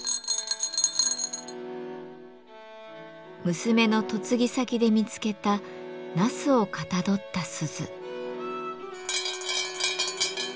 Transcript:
娘の嫁ぎ先で見つけた茄子をかたどった鈴。